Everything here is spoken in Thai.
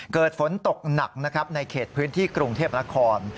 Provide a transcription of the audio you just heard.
เกิดฝนตกหนักนะครับในเขตพื้นที่กรุงเทพนคร